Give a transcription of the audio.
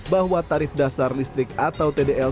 bahwa tarif dasar listrik atau tdl